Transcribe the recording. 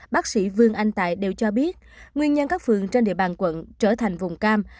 bác sĩ vương anh tài đều cho biết nguyên nhân các phường trên địa bàn quận trở thành vùng cam